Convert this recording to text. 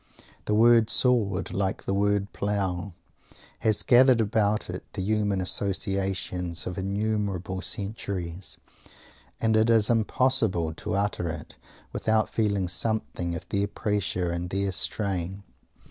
The word "Sword" like the word "Plough," has gathered about it the human associations of innumerable centuries, and it is impossible to utter it without feeling something of their pressure and their strain.